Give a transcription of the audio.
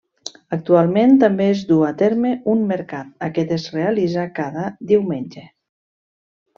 Actualment també es duu a terme un mercat, aquest es realitza cada diumenge.